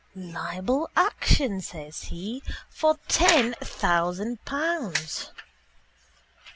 —Libel action, says he, for ten thousand pounds.